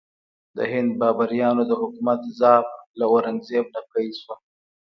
د هند بابریانو د حکومت ضعف له اورنګ زیب نه پیل شو.